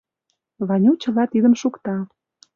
Ваню чыла тидым шукта.